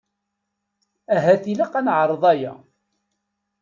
Ahat ilaq ad neεreḍ aya.